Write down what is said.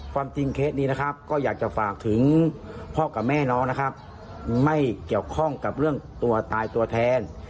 ความจริงเคสนี้นะครับก็อยากจะฝากถึงพ่อกับแม่น้องนะครับไม่เกี่ยวข้องกับเรื่องตัวตายตัวแทน